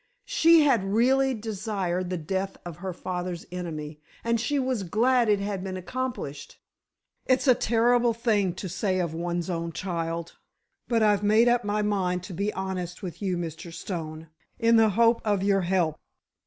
She had really desired the death of her father's enemy, and she was glad it had been accomplished! It's a terrible thing to say of one's own child, but I've made up my mind to be honest with you, Mr. Stone, in the hope of your help.